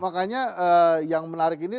makanya yang menarik nih